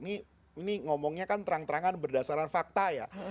ini ngomongnya kan terang terangan berdasarkan fakta ya